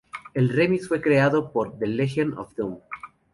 El remix fue creado por The Legion of Doom.